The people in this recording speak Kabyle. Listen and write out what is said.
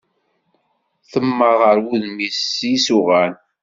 Temmar ɣer wudem-is s yisuɣan.